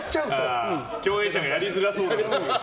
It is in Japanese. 共演者がやりづらそう。